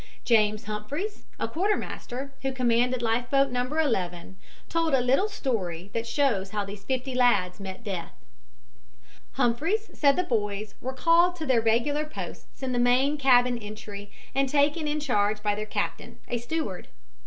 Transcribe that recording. James Humphreys, a quartermaster, who commanded life boat No. 11, told a li{t}tle story that shows how these fifty lads met death. Humphreys said the boys were called to their regular posts in the main cabin entry and taken in charge by their captain, a steward.